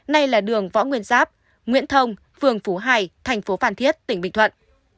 nay là đường võ nguyên giáp nguyễn thông phường phú hải thành phố phan thiết tỉnh bình thuận